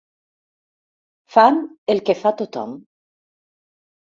Fan el que fa tothom.